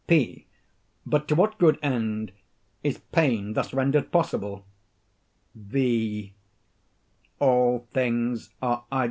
P. But to what good end is pain thus rendered possible? _V.